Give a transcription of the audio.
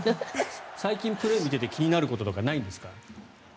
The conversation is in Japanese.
最近、プレーを見てて気になることとかないんですか？